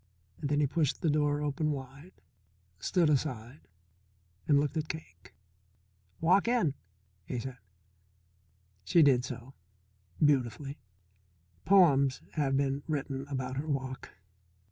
Then he pushed the door open wide, stood aside, and looked at Cake. "Walk in," he said. She did so. Beautifully. Poems have been written about her walk.